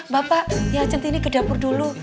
bapak ya cindy ini ke dapur dulu